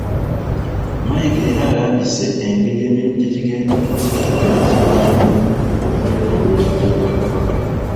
Mayiga era alambise engeri emirimu gye gigenda okuddukanyizibwamu okwetooloola Obwakabaka.